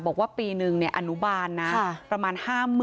บอกว่าปีนึงอนุบาลนะประมาณ๕๐๐๐